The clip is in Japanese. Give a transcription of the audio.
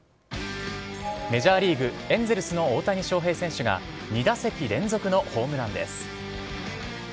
メジャーリーグ・エンゼルスの大谷翔平選手が２打席連続のホームランです。